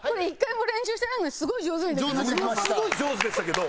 ものすごい上手でしたけど。